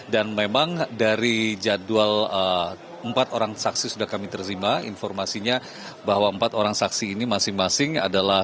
memang dari jadwal empat orang saksi sudah kami terima informasinya bahwa empat orang saksi ini masing masing adalah